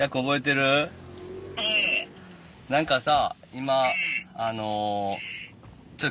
何かさ